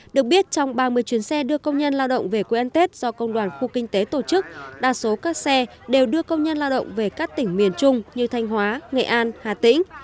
được biết trong ba mươi chuyến xe đưa công nhân lao động về quê ăn tết do công đoàn khu kinh tế tổ chức đa số các xe đều đưa công nhân lao động về các tỉnh miền trung như thanh hóa nghệ an hà tĩnh